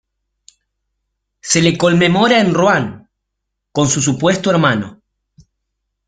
Se le conmemora en Ruan, con su supuesto hermano.